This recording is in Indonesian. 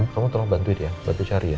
kamu tolong bantu dia bantu cari ya